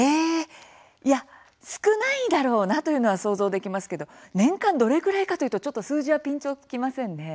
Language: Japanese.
いや、少ないだろうなというのは想像できますけど年間どれくらいかというとちょっと数字はピンときませんね。